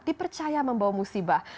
dipercaya membawa musibah